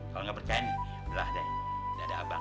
kalau gak percaya nih belah deh dada abang